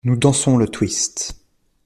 Nous dansons le twist.